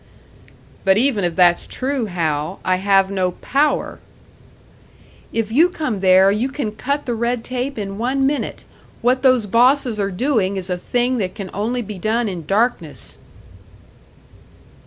"But even if that's true, Hal, I have no power!" "If you come there, you can cut the red tape in one minute. What those bosses are doing is a thing that can only be done in darkness!"